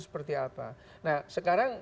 seperti apa nah sekarang